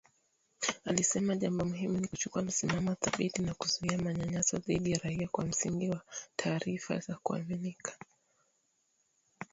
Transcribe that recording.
Alisema jambo muhimu ni kuchukua msimamo thabiti na kuzuia manyanyaso dhidi ya raia kwa msingi wa taarifa za kuaminika.